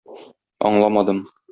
Аңламадым...